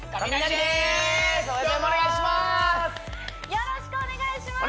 よろしくお願いします